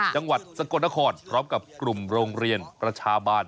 จังหวัดสกลนครพร้อมกับกลุ่มโรงเรียนประชาบาล